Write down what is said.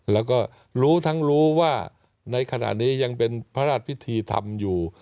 แล้วก็รู้ทั้งรู้ว่าในขณะนี้ยังเป็นพระราชพิธีทำอยู่